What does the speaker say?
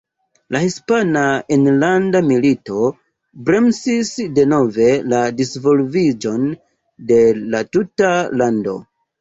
La Hispana Enlanda Milito bremsis denove la disvolviĝon de la tuta lando.